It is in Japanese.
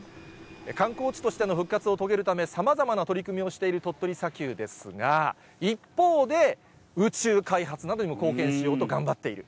観光地としての復活を遂げるため、さまざまな取り組みをしている鳥取砂丘ですが、一方で、宇宙開発などにも貢献しようと頑張っている。